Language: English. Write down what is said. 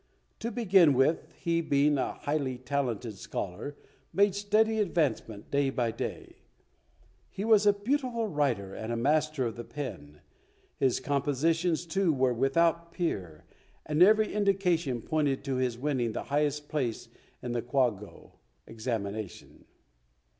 To begin with, he, being a highly talented scholar, made steady advancement day by day. He was a beautiful writer and a master of the pen. His compositions, too, were without a peer, and every indication pointed to his winning the highest place in the Kwago (Examination).